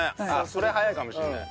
それ早いかもしれない。